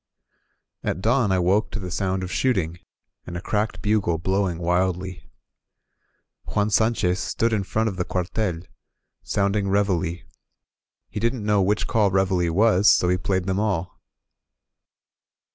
AT dawn I woke to the sound of shooting, and a cracked bugle blowing wildly. Juan Sanchez stood in front of the cuartel, sounding Reveille ; he didn't know which call Reveille was, so he played them all.